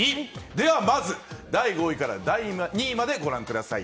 ではまず、第５位から第２位までご覧ください。